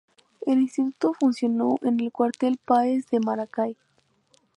El Instituto funcionó en el Cuartel Páez de Maracay.